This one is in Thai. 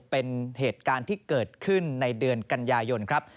เป็นเหตุการณ์ที่เกิดขึ้นในเดือนกันยายนครับ